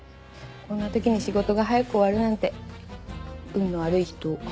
こんな時に仕事が早く終わるなんて運の悪い人。